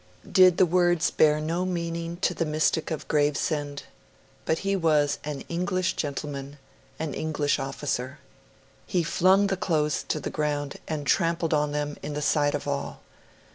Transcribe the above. Did the words bear no meaning to the mystic of Gravesend? But he was an English gentleman, an English officer. He flung the clothes to the ground, and trampled on them in the sight of all.